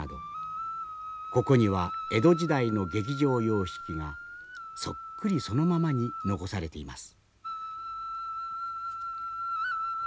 ここには江戸時代の劇場様式がそっくりそのままに残されています。